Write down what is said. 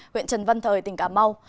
huyện trần văn thời tỉnh cà mau